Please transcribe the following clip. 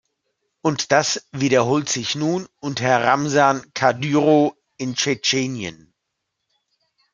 Und das wiederholt sich nun unter Ramsan Kadyrow in Tschetschenien.